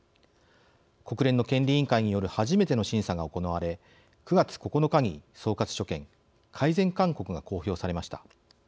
国連の権利委員会による初めての審査が行われ９月９日に総括所見・改善勧告が公表されました。